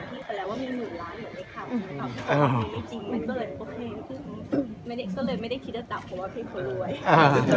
อ๋อไม่จริงไม่เบิร์นโอเคคือไม่ได้ก็เลยไม่ได้คิดว่าแต่ว่าพี่เขารวย